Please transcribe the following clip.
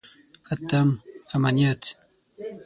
اتم: امنیت.